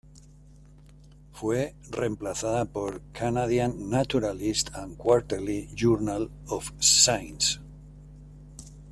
Fue reemplazada por "Canadian Naturalist and Quarterly Journal of Science.